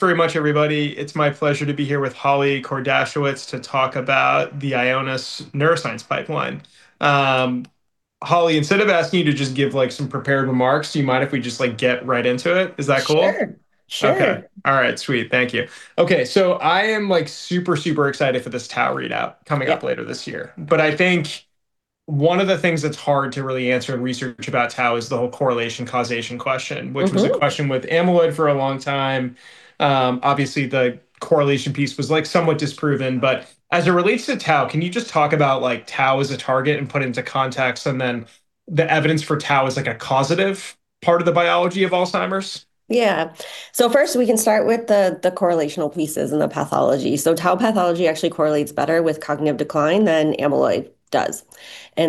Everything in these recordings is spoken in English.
Very much everybody. It's my pleasure to be here with Holly Kordasiewicz to talk about the Ionis neuroscience pipeline. Holly, instead of asking you to just give some prepared remarks, do you mind if we just get right into it? Is that cool? Sure. Okay. All right, sweet. Thank you. Okay, I am super excited for this tau readout coming up later this year. I think one of the things that's hard to really answer in research about tau is the whole correlation causation question. which was a question with amyloid for a long time. Obviously, the correlation piece was somewhat disproven, as it relates to tau, can you just talk about tau as a target and put it into context, then the evidence for tau as a causative part of the biology of Alzheimer's disease? Yeah. First we can start with the correlational pieces and the pathology. Tau pathology actually correlates better with cognitive decline than amyloid does.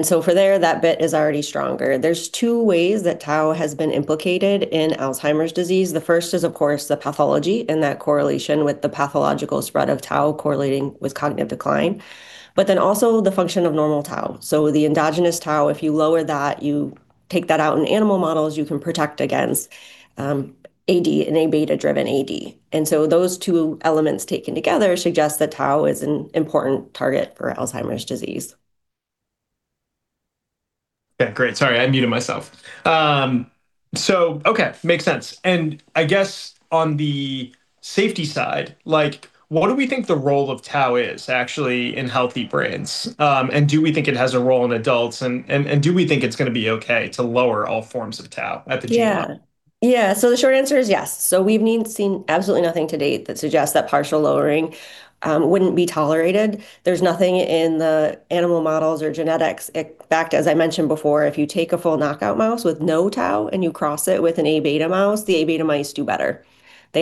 For there, that bit is already stronger. There's two ways that tau has been implicated in Alzheimer's disease. The first is, of course, the pathology and that correlation with the pathological spread of tau correlating with cognitive decline, also the function of normal tau. The endogenous tau, if you lower that, you take that out in animal models, you can protect against AD and Aβ driven AD. Those two elements taken together suggest that tau is an important target for Alzheimer's disease. Okay, great. Sorry, I muted myself. Okay, makes sense. I guess on the safety side, what do we think the role of tau is actually in healthy brains? Do we think it has a role in adults? Do we think it's going to be okay to lower all forms of tau at the gene level? Yeah. The short answer is yes. We've seen absolutely nothing to date that suggests that partial lowering wouldn't be tolerated. There's nothing in the animal models or genetics. In fact, as I mentioned before, if you take a full knockout mouse with no tau and you cross it with an Aβ mouse, the Aβ mice do better. Yeah.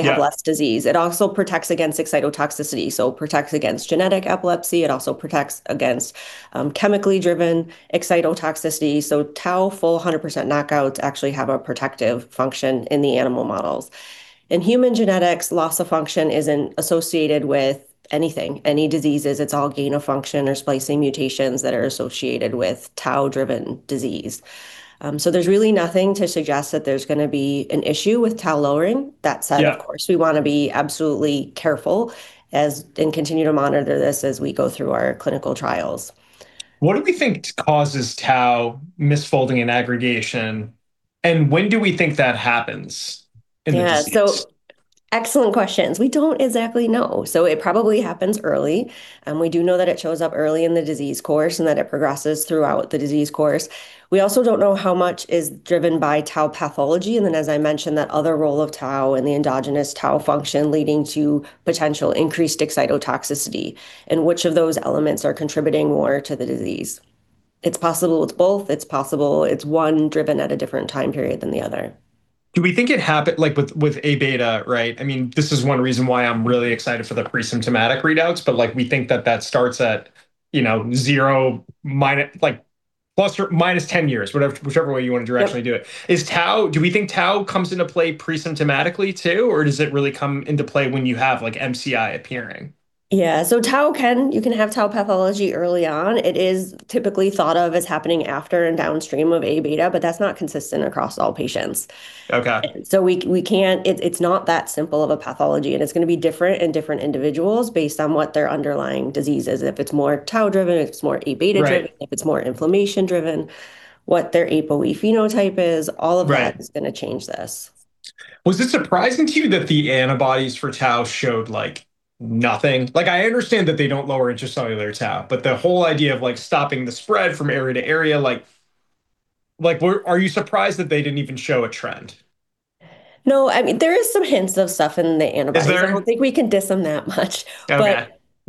They have less disease. It also protects against excitotoxicity, so protects against genetic epilepsy. It also protects against chemically driven excitotoxicity. Tau full 100% knockouts actually have a protective function in the animal models. In human genetics, loss of function isn't associated with anything, any diseases. It's all gain of function or splicing mutations that are associated with tau-driven disease. There's really nothing to suggest that there's going to be an issue with tau lowering. That said. Yeah Of course, we want to be absolutely careful and continue to monitor this as we go through our clinical trials. What do we think causes tau misfolding and aggregation, and when do we think that happens in the disease? Excellent questions. We don't exactly know. It probably happens early, and we do know that it shows up early in the disease course, and that it progresses throughout the disease course. We also don't know how much is driven by tau pathology, and then, as I mentioned, that other role of tau and the endogenous tau function leading to potential increased excitotoxicity, and which of those elements are contributing more to the disease. It's possible it's both. It's possible it's one driven at a different time period than the other. Do we think it happened, like with Aβ, right? This is one reason why I'm really excited for the presymptomatic readouts. We think that that starts at zero minus 10 years, whichever way you want to directly do it. Yep. Do we think tau comes into play presymptomatically too? Does it really come into play when you have MCI appearing? Yeah. You can have tau pathology early on. It is typically thought of as happening after and downstream of Aβ, but that's not consistent across all patients. Okay. It's not that simple of a pathology, and it's going to be different in different individuals based on what their underlying disease is. If it's more tau-driven, if it's more Aβ driven. Right If it's more inflammation-driven, what their APOE phenotype is. Right. All of that is going to change this. Was it surprising to you that the antibodies for tau showed nothing? I understand that they don't lower intracellular tau, but the whole idea of stopping the spread from area to area, are you surprised that they didn't even show a trend? No. There is some hints of stuff in the antibodies. Is there? I don't think we can diss them that much.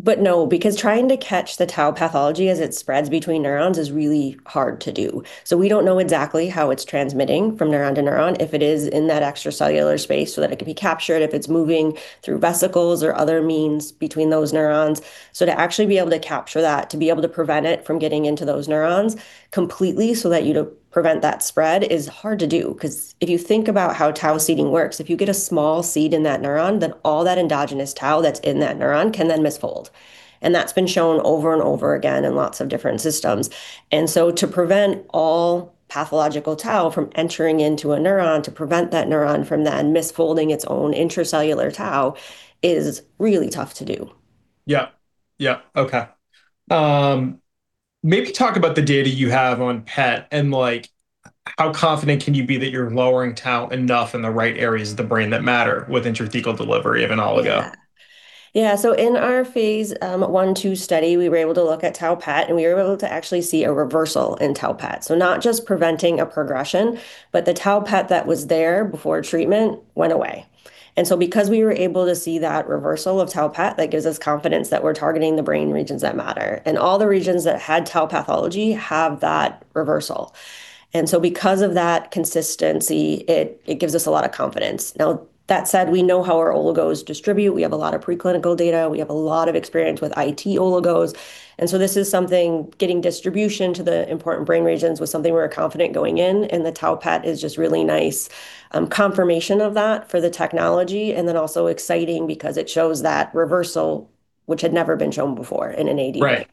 Okay. No, because trying to catch the tau pathology as it spreads between neurons is really hard to do. We don't know exactly how it's transmitting from neuron to neuron. If it is in that extracellular space so that it can be captured, if it's moving through vesicles or other means between those neurons. To actually be able to capture that, to be able to prevent it from getting into those neurons completely so that you prevent that spread is hard to do. If you think about how tau seeding works, if you get a small seed in that neuron, then all that endogenous tau that's in that neuron can then misfold. That's been shown over and over again in lots of different systems. To prevent all pathological tau from entering into a neuron, to prevent that neuron from then misfolding its own intracellular tau is really tough to do. Yeah. Okay. Maybe talk about the data you have on PET, how confident can you be that you're lowering tau enough in the right areas of the brain that matter with intrathecal delivery of an oligo? Yeah. In our phase I/II study, we were able to look at tau PET, we were able to actually see a reversal in tau PET. Not just preventing a progression, but the tau PET that was there before treatment went away. Because we were able to see that reversal of tau PET, that gives us confidence that we're targeting the brain regions that matter. All the regions that had tau pathology have that reversal. Because of that consistency, it gives us a lot of confidence. Now, that said, we know how our oligos distribute. We have a lot of preclinical data. We have a lot of experience with IT oligos. This is something, getting distribution to the important brain regions was something we were confident going in. The tau PET is just really nice confirmation of that for the technology, also exciting because it shows that reversal, which had never been shown before in an AD patient. Right.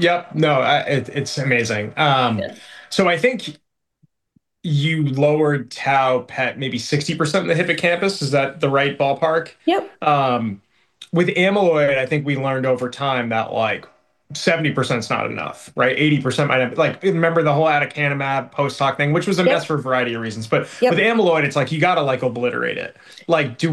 Yep. No, it's amazing. Good. You lowered tau PET maybe 60% in the hippocampus. Is that the right ballpark? Yep. With amyloid, I think we learned over time that 70% is not enough, right? You remember the whole aducanumab post-hoc thing. Yep which was a mess for a variety of reasons. Yep with amyloid, it's like you got to obliterate it. Do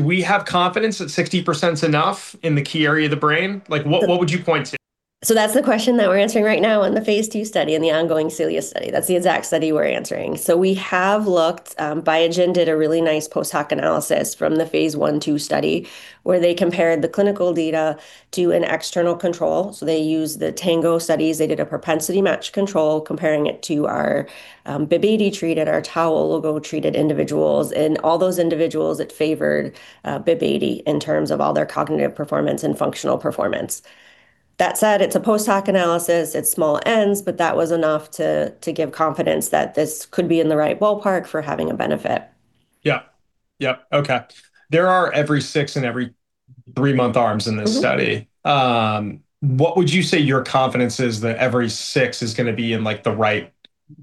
we have confidence that 60% is enough in the key area of the brain? What would you point to? That's the question that we're answering right now in the phase II study, in the ongoing CELIA study. That's the exact study we're answering. We have looked, Biogen did a really nice post-hoc analysis from the phase I/II study where they compared the clinical data to an external control. They used the TANGO studies. They did a propensity score matching, comparing it to our BIIB080 treated, our tau oligo treated individuals. All those individuals, it favored BIIB080 in terms of all their cognitive performance and functional performance. That said, it's a post-hoc analysis. It's small Ns, but that was enough to give confidence that this could be in the right ballpark for having a benefit. Yeah. Okay. There are every six and every three-month arms in this study. What would you say your confidence is that every six is going to be in the right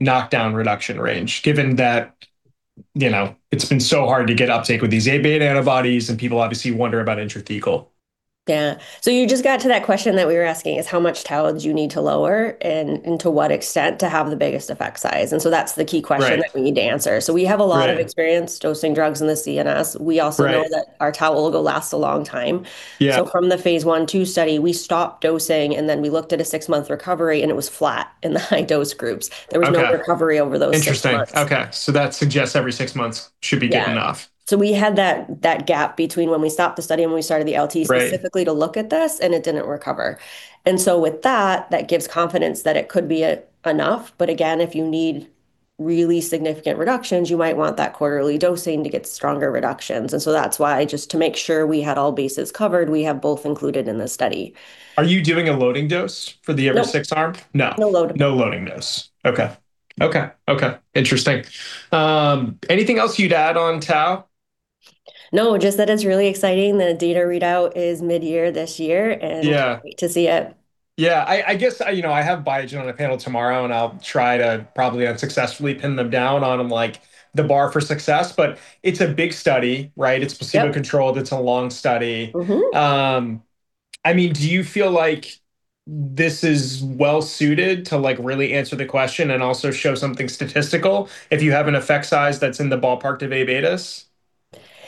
knockdown reduction range, given that it's been so hard to get uptake with these Aβ antibodies, and people obviously wonder about intrathecal? Yeah. You just got to that question that we were asking, is how much tau do you need to lower, and to what extent to have the biggest effect size? That's the key question. Right That we need to answer. We have a lot. Right Of experience dosing drugs in the CNS. We also. Right know that our tau oligo lasts a long time. Yeah. From the phase I/II study, we stopped dosing, then we looked at a six-month recovery, it was flat in the high-dose groups. Okay. There was no recovery over those six months. Interesting. Okay. That suggests every six months should be- Yeah good enough. We had that gap between when we stopped the study and when we started the LTE- Right specifically to look at this, and it didn't recover. With that gives confidence that it could be enough. Again, if you need really significant reductions, you might want that quarterly dosing to get stronger reductions. That's why, just to make sure we had all bases covered, we have both included in the study. Are you doing a loading dose for the every six arm? No. No. No loading. No loading dose. Okay. Interesting. Anything else you'd add on tau? No, just that it's really exciting. The data readout is mid-year this year. Yeah I can't wait to see it. Yeah. I guess, I have Biogen on the panel tomorrow, and I'll try to probably unsuccessfully pin them down on the bar for success. It's a big study, right? It's placebo- Yep controlled. It's a long study. Do you feel like this is well-suited to really answer the question and also show something statistical if you have an effect size that's in the ballpark of Aβs?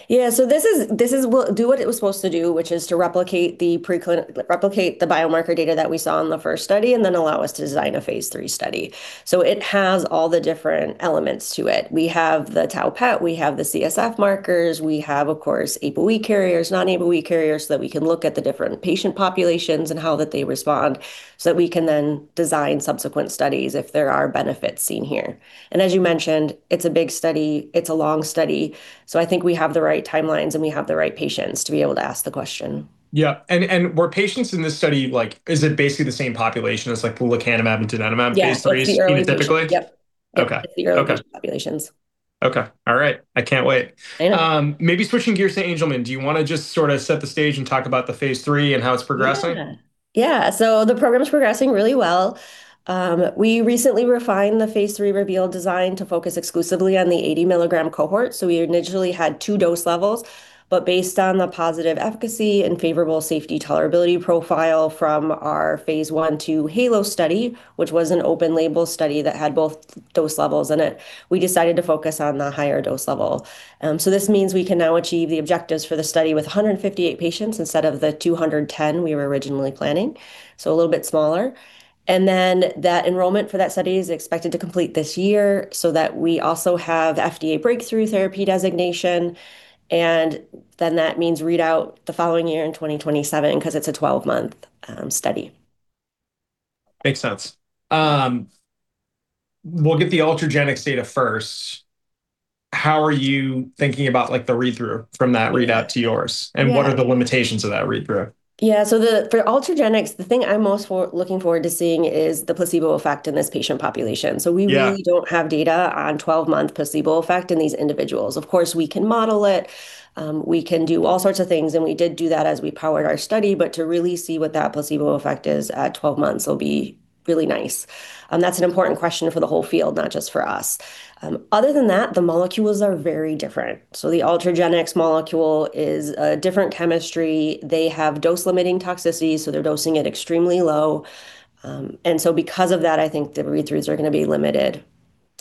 Yeah. This will do what it was supposed to do, which is to replicate the biomarker data that we saw in the first study and then allow us to design a phase III study. It has all the different elements to it. We have the tau PET, we have the CSF markers, we have, of course, APOE carriers, non-APOE carriers, so that we can look at the different patient populations and how that they respond, so that we can then design subsequent studies if there are benefits seen here. As you mentioned, it's a big study, it's a long study, so I think we have the right timelines and we have the right patients to be able to ask the question. Yeah. Were patients in this study, is it basically the same population as like lecanemab and donanemab? Yeah, it's the. Phase III, phenotypically? Yep. Okay. It's the original populations. Okay. All right. I can't wait. I know. Maybe switching gears to Angelman, do you want to just sort of set the stage and talk about the phase III and how it's progressing? The program's progressing really well. We recently refined the phase III REVEAL design to focus exclusively on the 80-milligram cohort. We initially had 2 dose levels, but based on the positive efficacy and favorable safety tolerability profile from our phase I/II HALOS study, which was an open label study that had both dose levels in it, we decided to focus on the higher dose level. This means we can now achieve the objectives for the study with 158 patients instead of the 210 we were originally planning, so a little bit smaller. That enrollment for that study is expected to complete this year so that we also have FDA Breakthrough Therapy designation, that means read out the following year in 2027 because it's a 12-month study. Makes sense. We'll get the Ultragenyx data first. How are you thinking about the read-through from that readout to yours? Yeah. What are the limitations of that read-through? Yeah. For Ultragenyx, the thing I'm most looking forward to seeing is the placebo effect in this patient population. Yeah We really don't have data on 12-month placebo effect in these individuals. Of course, we can model it, we can do all sorts of things, and we did do that as we powered our study, but to really see what that placebo effect is at 12 months will be really nice. That's an important question for the whole field, not just for us. Other than that, the molecules are very different. The Ultragenyx molecule is a different chemistry. They have dose-limiting toxicity, so they're dosing it extremely low. Because of that, I think the read-throughs are going to be limited.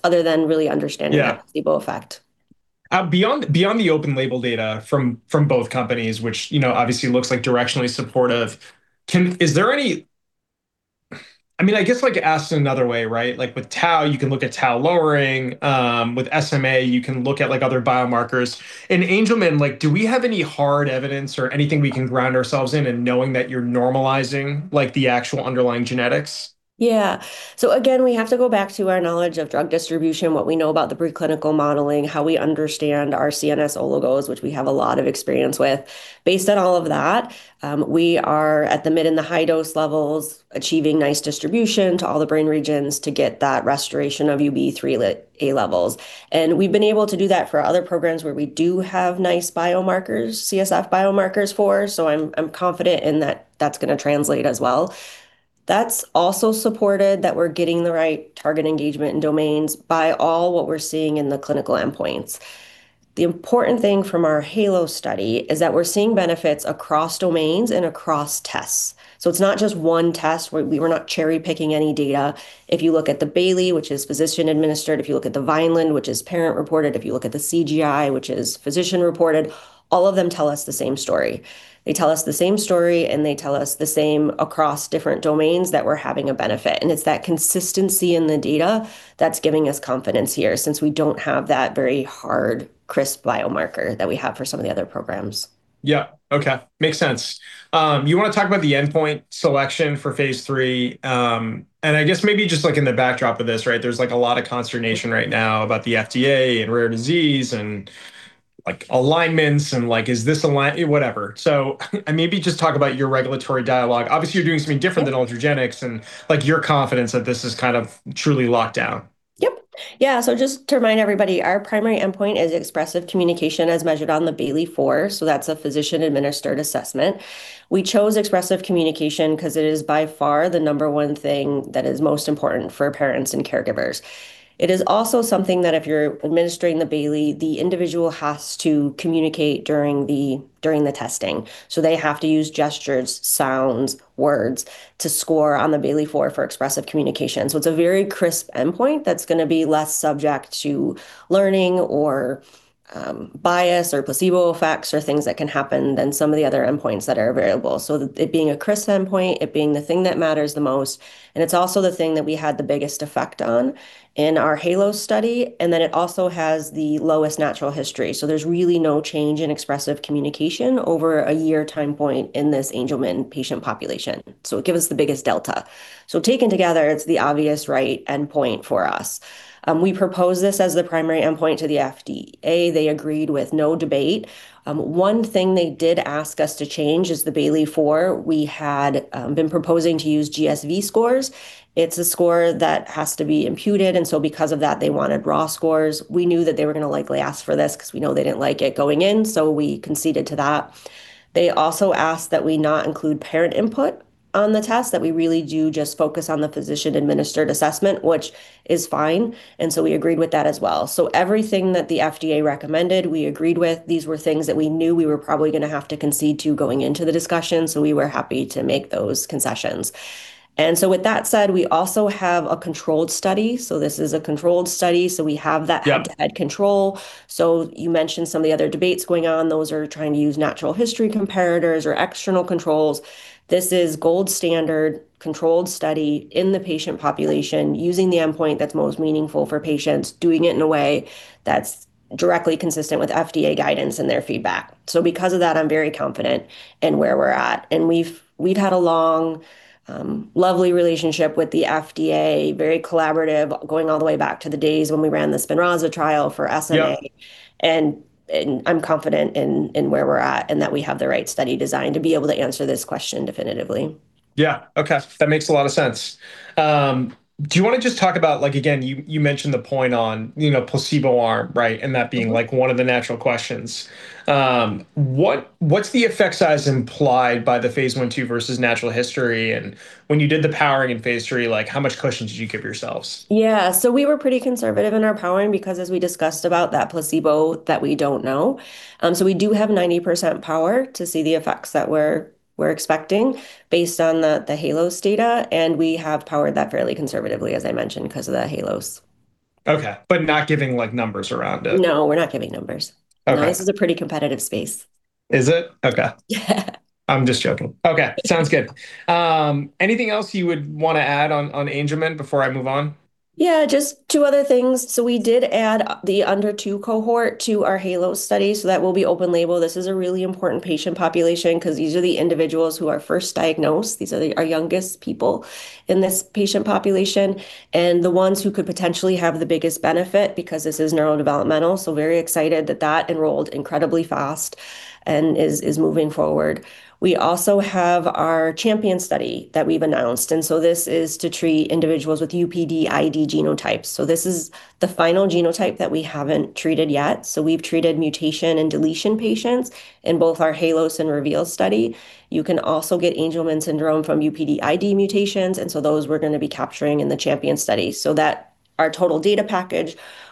Yeah the placebo effect. Beyond the open label data from both companies, which obviously looks directionally supportive, I guess, asked another way, right? With tau, you can look at tau lowering. With SMA, you can look at other biomarkers. In Angelman, do we have any hard evidence or anything we can ground ourselves in in knowing that you're normalizing the actual underlying genetics? Yeah. Again, we have to go back to our knowledge of drug distribution, what we know about the preclinical modeling, how we understand our CNS oligos, which we have a lot of experience with. Based on all of that, we are at the mid and the high dose levels, achieving nice distribution to all the brain regions to get that restoration of UBE3A levels. We've been able to do that for other programs where we do have nice CSF biomarkers for, so I'm confident in that that's going to translate as well. That's also supported that we're getting the right target engagement and domains by all what we're seeing in the clinical endpoints. The important thing from our HALOS study is that we're seeing benefits across domains and across tests. It's not just one test, we're not cherry-picking any data. If you look at the Bayley, which is physician administered, if you look at the Vineland, which is parent reported, if you look at the CGI, which is physician reported, all of them tell us the same story. They tell us the same story, they tell us the same across different domains that we're having a benefit. It's that consistency in the data that's giving us confidence here, since we don't have that very hard, crisp biomarker that we have for some of the other programs. Yeah. Okay. Makes sense. You want to talk about the endpoint selection for phase III? I guess maybe just in the backdrop of this, there's a lot of consternation right now about the FDA and rare disease and alignments and is this align-- Whatever. Maybe just talk about your regulatory dialogue. Obviously, you're doing something different than Allogene and your confidence that this is kind of truly locked down. Yep. Yeah. Just to remind everybody, our primary endpoint is expressive communication as measured on the Bayley-4. That's a physician-administered assessment. We chose expressive communication because it is by far the number one thing that is most important for parents and caregivers. It is also something that if you're administering the Bayley, the individual has to communicate during the testing. They have to use gestures, sounds, words to score on the Bayley-4 for expressive communication. It's a very crisp endpoint that's going to be less subject to learning or bias or placebo effects or things that can happen than some of the other endpoints that are variable. It being a crisp endpoint, it being the thing that matters the most, and it's also the thing that we had the biggest effect on in our HALOS study. It also has the lowest natural history, so there's really no change in expressive communication over a year time point in this Angelman patient population. It gave us the biggest delta. Taken together, it's the obvious right endpoint for us. We proposed this as the primary endpoint to the FDA. They agreed with no debate. One thing they did ask us to change is the Bayley-4. We had been proposing to use GSV scores. It's a score that has to be imputed, because of that, they wanted raw scores. We knew that they were going to likely ask for this because we know they didn't like it going in. We conceded to that. They also asked that we not include parent input on the test, that we really do just focus on the physician-administered assessment, which is fine. We agreed with that as well. Everything that the FDA recommended, we agreed with. These were things that we knew we were probably going to have to concede to going into the discussion. We were happy to make those concessions. With that said, we also have a controlled study. This is a controlled study, so we have that- Yep head-to-head control. You mentioned some of the other debates going on. Those are trying to use natural history comparators or external controls. This is gold standard controlled study in the patient population using the endpoint that's most meaningful for patients, doing it in a way that's directly consistent with FDA guidance and their feedback. Because of that, I'm very confident in where we're at. We've had a long, lovely relationship with the FDA, very collaborative, going all the way back to the days when we ran the SPINRAZA trial for SMA. Yeah. I'm confident in where we're at and that we have the right study design to be able to answer this question definitively. Yeah. Okay. That makes a lot of sense. Do you want to just talk about, again, you mentioned the point on placebo arm, right? That being one of the natural questions. What's the effect size implied by the phase I, II versus natural history? When you did the powering in phase III, how much cushion did you give yourselves? Yeah. We were pretty conservative in our powering because as we discussed about that placebo that we don't know. We do have 90% power to see the effects that we're expecting based on the HALOS data, we have powered that fairly conservatively, as I mentioned, because of the HALOS. Okay. Not giving numbers around it. No, we're not giving numbers. Okay. No, this is a pretty competitive space. Is it? Okay. Yeah. I'm just joking. Okay. Sounds good. Anything else you would want to add on Angelman before I move on? Yeah, just two other things. We did add the under two cohort to our HALOS study. That will be open label. This is a really important patient population because these are the individuals who are first diagnosed. These are our youngest people in this patient population, and the ones who could potentially have the biggest benefit because this is neurodevelopmental. Very excited that that enrolled incredibly fast and is moving forward. We also have our CHAMPION study that we've announced. This is to treat individuals with UPD, ID genotypes. This is the final genotype that we haven't treated yet. We've treated mutation and deletion patients in both our HALOS and REVEAL study. You can also get Angelman syndrome from UPD, ID mutations. Those we're going to be capturing in the CHAMPION study so that our total data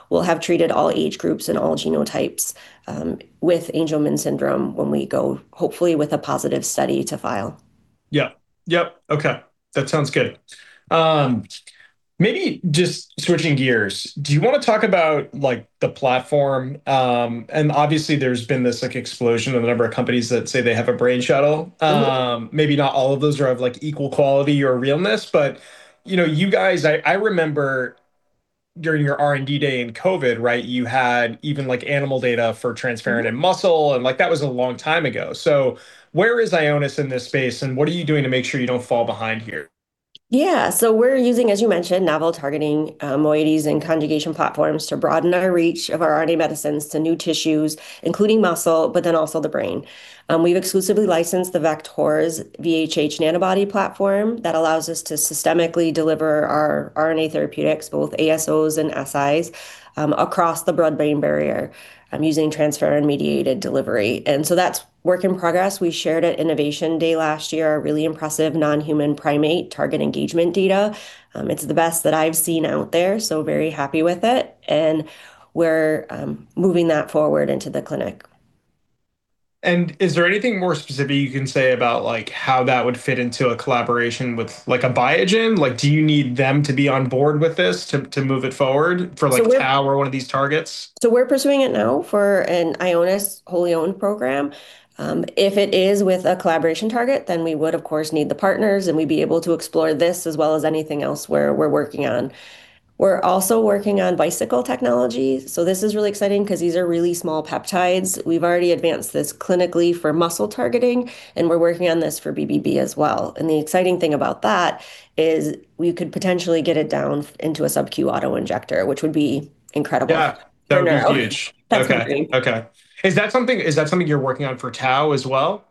package will have treated all age groups and all genotypes with Angelman syndrome when we go, hopefully, with a positive study to file. Yep. Okay. That sounds good. Maybe just switching gears. Do you want to talk about the platform? Obviously there's been this explosion of the number of companies that say they have a Brain Shuttle. Maybe not all of those are of equal quality or realness, but you guys, I remember during your R&D day in COVID, right? You had even animal data for transferrin and muscle, and that was a long time ago. Where is Ionis in this space, and what are you doing to make sure you don't fall behind here? Yeah. We're using, as you mentioned, novel targeting moieties and conjugation platforms to broaden our reach of our RNA medicines to new tissues, including muscle, also the brain. We've exclusively licensed the Vect-horus VHH Nanobody platform that allows us to systemically deliver our RNA therapeutics, both ASOs and SIs, across the blood-brain barrier using transferrin-mediated delivery. That's work in progress. We shared at Innovation Day last year a really impressive non-human primate target engagement data. It's the best that I've seen out there, so very happy with it. We're moving that forward into the clinic. Is there anything more specific you can say about how that would fit into a collaboration with Biogen? Do you need them to be on board with this to move it forward for like- We're- tau or one of these targets? We're pursuing it now for an Ionis wholly-owned program. If it is with a collaboration target, we would, of course, need the partners, and we'd be able to explore this as well as anything else we're working on. We're also working on Bicycle technology, this is really exciting because these are really small peptides. We've already advanced this clinically for muscle targeting, and we're working on this for BBB as well. The exciting thing about that is we could potentially get it down into a subcu auto-injector, which would be incredible. Yeah For neuro. That would be huge. That's what we think. Okay. Is that something you're working on for tau as well?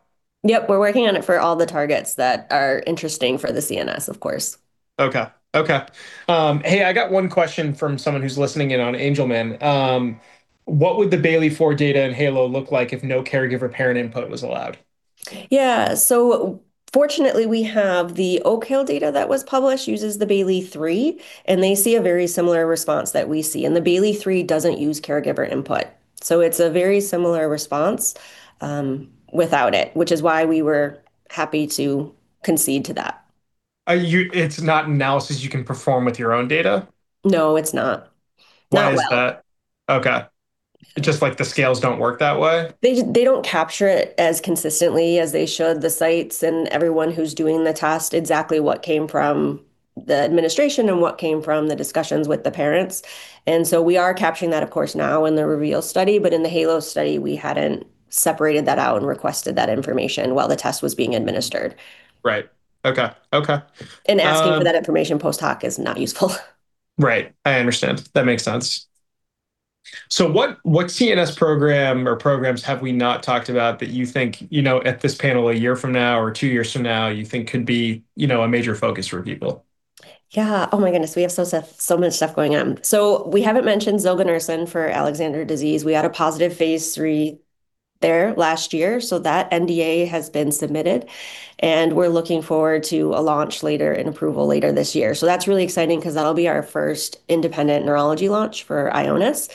Yep. We're working on it for all the targets that are interesting for the CNS, of course. Okay. I got one question from someone who's listening in on Angelman. What would the Bayley-4 data in HALOS look like if no caregiver parent input was allowed? Yeah. Fortunately, we have the Oak Hill Bio data that was published uses the Bayley-III, and they see a very similar response that we see. The Bayley-III doesn't use caregiver input, it's a very similar response without it, which is why we were happy to concede to that. It's not analysis you can perform with your own data? No, it's not. Not well. Why is that? Okay. Just like the scales don't work that way? They don't capture it as consistently as they should, the sites and everyone who's doing the test, exactly what came from the administration and what came from the discussions with the parents. We are capturing that, of course, now in the REVEAL study, but in the HALOS study, we hadn't separated that out and requested that information while the test was being administered. Right. Okay. Asking for that information post hoc is not useful. Right. I understand. That makes sense. What CNS program or programs have we not talked about that you think at this panel a year from now or two years from now you think could be a major focus for people? Yeah. Oh, my goodness, we have so much stuff going on. We haven't mentioned zilganersen for Alexander disease. We had a positive phase III there last year. That NDA has been submitted, and we're looking forward to a launch later and approval later this year. That's really exciting because that'll be our first independent neurology launch for Ionis.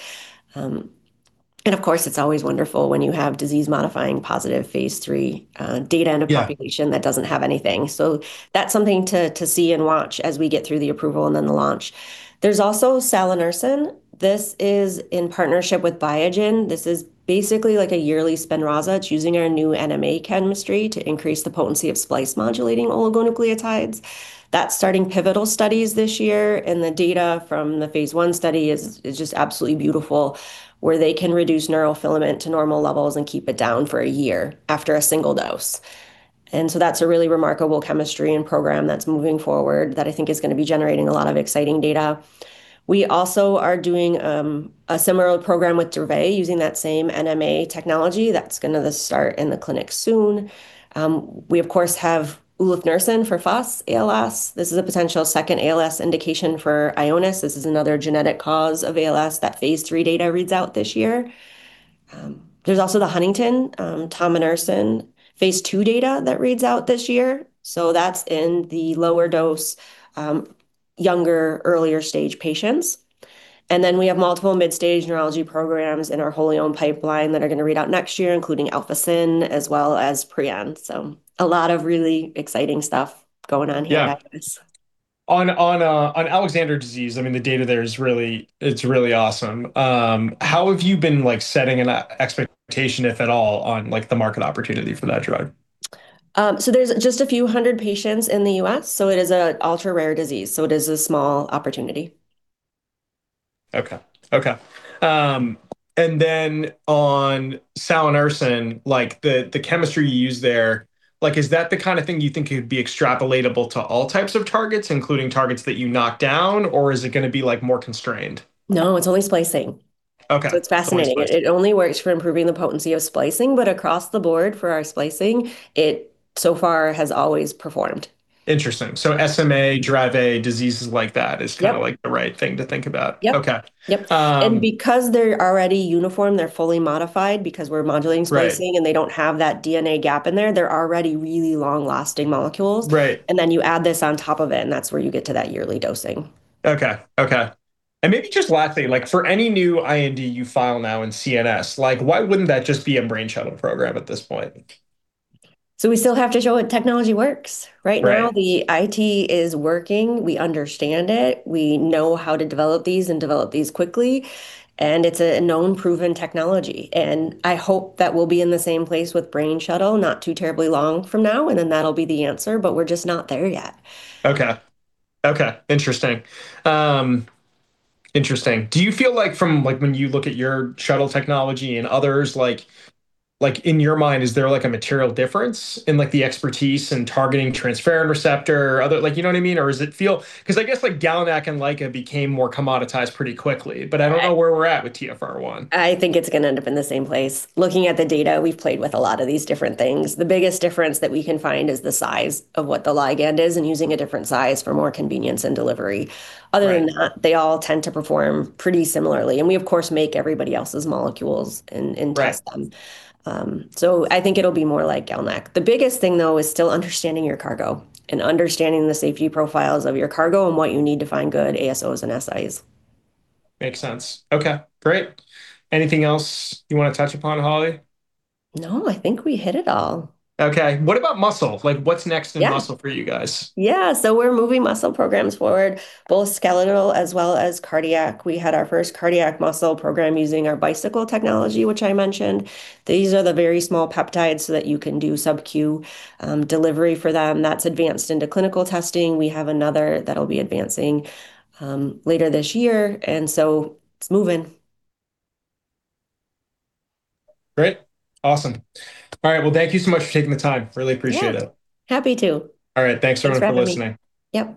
Of course, it's always wonderful when you have disease-modifying positive phase III data in a- Yeah population that doesn't have anything. That's something to see and watch as we get through the approval and then the launch. There's also salanersen. This is in partnership with Biogen. This is basically like a yearly SPINRAZA. It's using our new NMA chemistry to increase the potency of splice-modulating oligonucleotides. That's starting pivotal studies this year. The data from the phase I study is just absolutely beautiful, where they can reduce neurofilament to normal levels and keep it down for a year after a single dose. That's a really remarkable chemistry and program that's moving forward that I think is going to be generating a lot of exciting data. We also are doing a similar program with Dravet using that same NMA technology. That's going to start in the clinic soon. We, of course, have ulefnersen for FUS-ALS. This is a potential second ALS indication for Ionis. This is another genetic cause of ALS. That phase III data reads out this year. There's also the Huntington, Tominersen phase II data that reads out this year. That's in the lower dose, younger, earlier stage patients. We have multiple mid-stage neurology programs in our wholly owned pipeline that are going to read out next year, including aldesleukin as well as prion. A lot of really exciting stuff going on here- Yeah guys. On Alexander disease, the data there, it's really awesome. How have you been setting an expectation, if at all, on the market opportunity for that drug? There's just a few hundred patients in the U.S., it is an ultra-rare disease, it is a small opportunity. On salanersen, the chemistry you use there, is that the kind of thing you think could be extrapolatable to all types of targets, including targets that you knock down, or is it going to be more constrained? It's only splicing. Okay. It's fascinating. Only splicing. It only works for improving the potency of splicing, across the board for our splicing, it so far has always performed. Interesting. SMA, Dravet, diseases like that. Yep The right thing to think about. Yep. Okay. Yep. Because they're already uniform, they're fully modified because we're modulating splicing. Right They don't have that DNA gap in there, they're already really long-lasting molecules. Right. You add this on top of it, and that's where you get to that yearly dosing. Okay. Maybe just lastly, for any new IND you file now in CNS, why wouldn't that just be a Brain Shuttle program at this point? We still have to show that technology works. Right The IT is working. We understand it. We know how to develop these and develop these quickly. It's a known, proven technology, and I hope that we'll be in the same place with Brain Shuttle not too terribly long from now, and then that'll be the answer, but we're just not there yet. Okay. Interesting. Do you feel like from when you look at your shuttle technology and others, in your mind, is there a material difference in the expertise in targeting transferrin receptor? You know what I mean? I guess GalNAc and LICA became more commoditized pretty quickly, but I don't know where we're at with TFR1. I think it's going to end up in the same place. Looking at the data, we've played with a lot of these different things. The biggest difference that we can find is the size of what the ligand is and using a different size for more convenience in delivery. Right. Other than that, they all tend to perform pretty similarly. We of course make everybody else's molecules and test them. Right. I think it'll be more like GalNAc. The biggest thing, though, is still understanding your cargo and understanding the safety profiles of your cargo and what you need to find good ASOs and siRNAs. Makes sense. Okay, great. Anything else you want to touch upon, Holly? No, I think we hit it all. Okay. What about muscle? What's next in- Yeah muscle for you guys? Yeah. We're moving muscle programs forward, both skeletal as well as cardiac. We had our first cardiac muscle program using our Bicycle technology, which I mentioned. These are the very small peptides so that you can do subcu delivery for them. That's advanced into clinical testing. We have another that'll be advancing later this year. It's moving. Great. Awesome. All right. Well, thank you so much for taking the time. Really appreciate it. Yeah. Happy to. All right. Thanks, everyone. Thanks for having me. Thanks for listening. Yep.